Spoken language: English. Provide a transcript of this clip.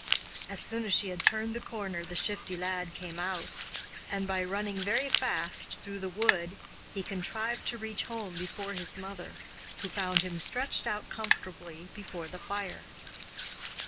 As soon as she had turned the corner the Shifty Lad came out, and by running very fast through the wood he contrived to reach home before his mother, who found him stretched out comfortably before the fire.